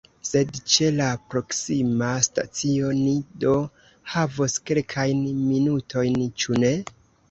Sed ĉe la proksima stacio ni do havos kelkajn minutojn, ĉu ne?